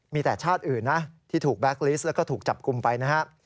มีแต่ชาติอื่นนะที่ถูกแบ็คลิสต์แล้วก็ถูกจับกลุ่มไปนะครับ